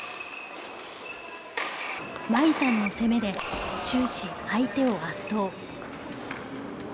真衣さんの攻めで終始相手を圧倒。